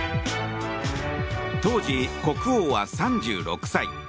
当時、国王は３６歳。